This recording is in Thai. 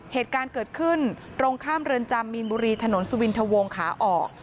เหตุการณ์เกิดขึ้นตรงข้ามเรือนจำมีนบุรีถนนสุวินทะวงขาออก